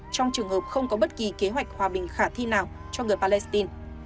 trong trường hợp không có bất kỳ kế hoạch hòa bình khả thi nào cho người palestine